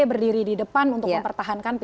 berdiri di depan untuk mempertahankan